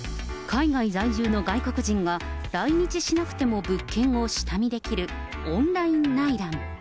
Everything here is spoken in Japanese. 海外在住の外国人が来日しなくても物件を下見できる、オンライン内覧。